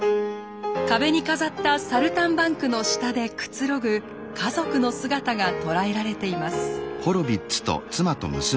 壁に飾った「サルタンバンク」の下でくつろぐ家族の姿が捉えられています。